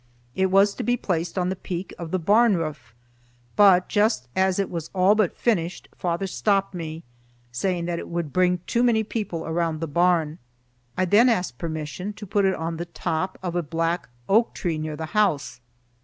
It was to be placed on the peak of the barn roof. But just as it was all but finished, father stopped me, saying that it would bring too many people around the barn. I then asked permission to put it on the top of a black oak tree near the house.